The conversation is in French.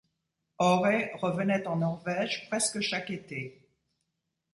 Ore revenait en Norvège presque chaque été.